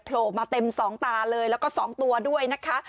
โผล่มาเต็มสองตาเลยแล้วก็๒ตัวด้วยนะคะ